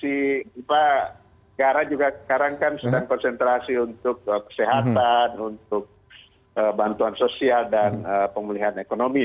jadi pak gara juga sekarang kan sedang konsentrasi untuk kesehatan untuk bantuan sosial dan pemulihan ekonomi ya